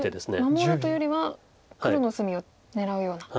守るというよりは黒の薄みを狙うような。